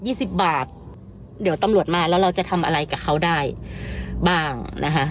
สิบบาทเดี๋ยวตำรวจมาแล้วเราจะทำอะไรกับเขาได้บ้างนะคะ